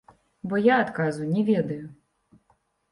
Бо я адказу не ведаю.